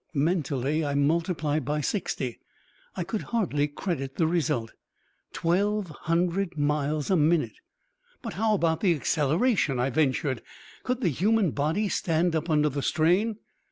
Mentally I multiplied by sixty. I could hardly credit the result. Twelve hundred miles a minute! "But, how about the acceleration?" I ventured. "Could the human body stand up under the strain?"